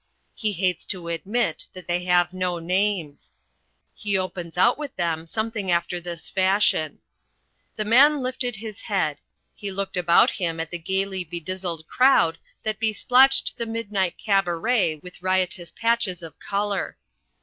He hates to admit that they have no names. He opens out with them something after this fashion: "The Man lifted his head. He looked about him at the gaily bedizzled crowd that besplotched the midnight cabaret with riotous patches of colour.